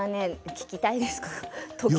聞きたいですか？